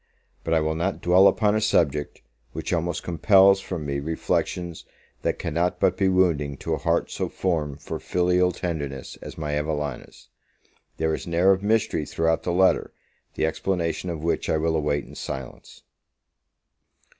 But I will not dwell upon a subject, which almost compels from me reflections that cannot but be wounding to a heart so formed for filial tenderness as my Evelina's. There is an air of mystery throughout the letter, the explanation of which I will await in silence.